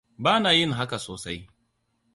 Bana yin haka sosai.